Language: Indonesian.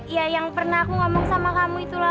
ya yang pernah aku ngomong sama kamu itulah